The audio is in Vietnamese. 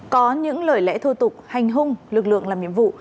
có những lời lẽ thô tục hành hung lực lượng làm nhiệm vụ